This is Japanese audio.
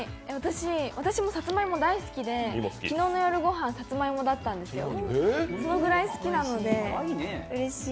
私もさつまいも大好きで、昨日の夜のごはんもさつまいもだったんですよ、そのぐらい好きなのでうれしい。